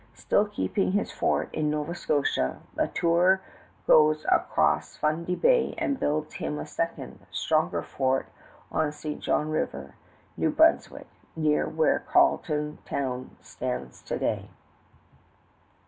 Still keeping his fort in Nova Scotia, La Tour goes across Fundy Bay and builds him a second, stronger fort on St. John River, New Brunswick, near where Carleton town stands to day.